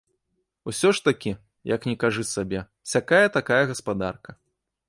Усё ж такі, як ні кажы сабе, сякая-такая гаспадарка.